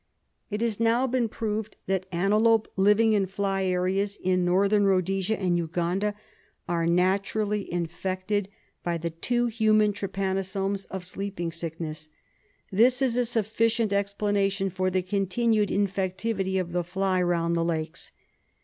It has now been proved that antelope living in fly areas in N, Rhodesia and Uganda are naturally infected by the SLEEPING SICKNESS 51 two hiiinan ti ypanosomes of sleeping sickness. This is a sufficient explanation for the continued infectivity of the fly round the lakes.